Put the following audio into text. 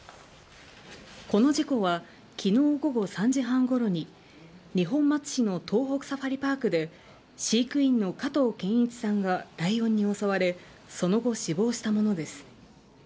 この事故は昨日午後３時半ごろに二本松市の東北サファリパークで飼育員の加藤健一さんがライオンに襲われその後、死亡したものです。